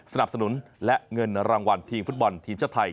สนับสนุนและเงินรางวัลทีมฟุตบอลทีมชาติไทย